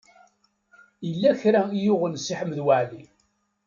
Yella kra i yuɣen Si Ḥmed Waɛli.